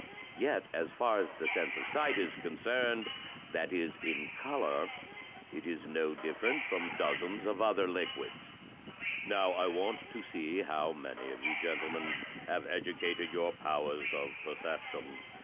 Yet, as far as the sense of sight is concerned — that is, in color — it is no different from dozens of other liquids. "Now I want to see how many of you gentlemen have educated your powers of perception.